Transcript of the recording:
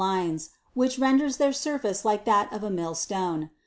lines, which renders their surface like that of a mill stone.